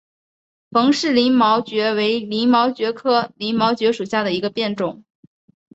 冯氏鳞毛蕨为鳞毛蕨科鳞毛蕨属下的一个变种。